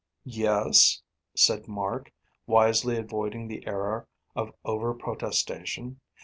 "Yes," said Mark, wisely avoiding the error of over protestation.